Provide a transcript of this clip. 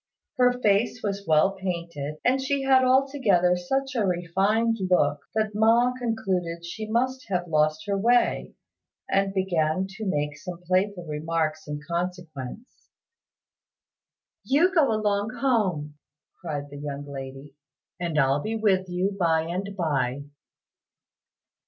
Her face was well painted, and she had altogether such a refined look that Ma concluded she must have lost her way, and began to make some playful remarks in consequence. "You go along home," cried the young lady, "and I'll be with you by and by."